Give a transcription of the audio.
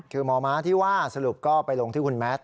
คือหมอม้าที่ว่าสรุปก็ไปลงที่คุณแมท